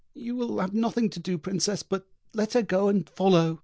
You will have nothing to do, Princess, but to let her go, and follow."